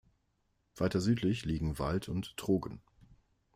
Weiter südlich liegen Wald und Trogen.